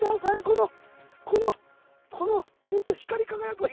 このこのこのちょっと光りかがやく。